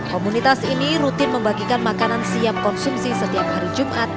komunitas ini rutin membagikan makanan siap konsumsi setiap hari jumat